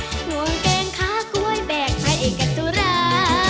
ห่วงเกงค๋ากล้วยแบ่งให้กับสุรา